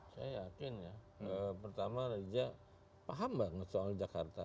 saya yakin ya pertama raja paham banget soal jakarta